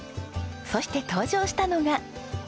そして登場したのが。